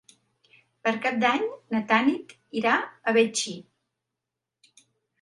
Per Cap d'Any na Tanit irà a Betxí.